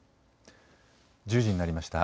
１０時になりました。